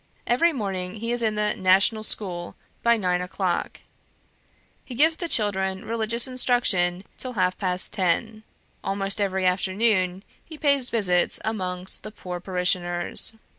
Every morning he is in the National School by nine o'clock; he gives the children religious instruction till half past ten. Almost every afternoon he pays visits amongst the poor parishioners.